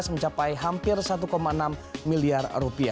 mencapai hampir rp satu enam miliar